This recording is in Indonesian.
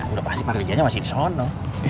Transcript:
udah pasti pak rijanya masih di sana